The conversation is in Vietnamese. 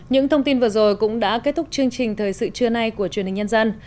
những thông tin vừa rồi cũng đã kết thúc chương trình thời sự trưa nay của truyền hình nhân dân